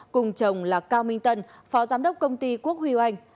cùng chồng là cao minh tân phó giám đốc công ty quốc huy anh